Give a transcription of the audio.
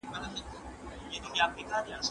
وروستیو کي د خپلو ملاتړو په مرسته لکه د سیمي